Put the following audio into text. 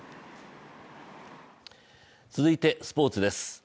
続いてスポ−ツです。